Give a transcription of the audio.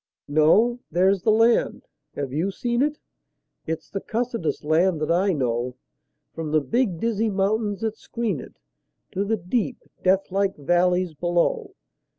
No! There's the land. (Have you seen it?) It's the cussedest land that I know, From the big, dizzy mountains that screen it To the deep, deathlike valleys below.